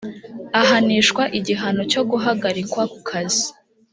ahanishwa igihano cyo guhagarikwa ku kazi